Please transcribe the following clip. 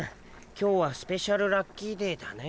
今日はスペシャルラッキーデーだね。